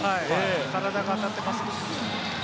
体が当たっています。